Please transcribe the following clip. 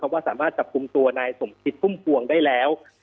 ว่าสามารถจับกลุ่มตัวนายสมคิดพุ่มพวงได้แล้ว